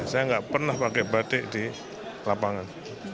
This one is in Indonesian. saya nggak pernah pakai batik di lapangan